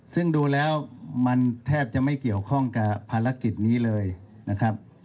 ซึ่งดูแล้วมันแทบจะไม่เกี่ยวข้องกับภารกิจนี้เลยนะครับ